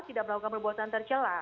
tidak melakukan perbuatan tercelah